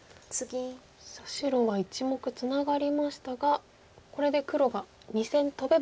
白は１目ツナがりましたがこれで黒が２線トベば。